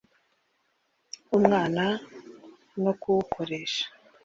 umwana no kuwukoresha